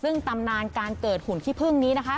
ซึ่งตำนานการเกิดหุ่นขี้พึ่งนี้นะคะ